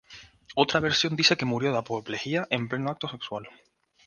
Otra versión dice que murió de apoplejía en pleno acto sexual.